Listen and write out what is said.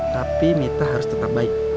tapi mita harus tetap baik